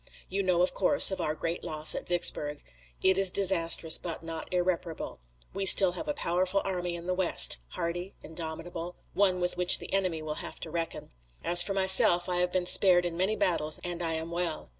You know, of course, of our great loss at Vicksburg. It is disastrous but not irreparable. We still have a powerful army in the West, hardy, indomitable, one with which the enemy will have to reckon. As for myself I have been spared in many battles and I am well.